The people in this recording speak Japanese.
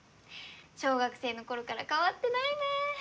小学生の頃から変わってないね。